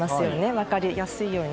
分かりやすいように。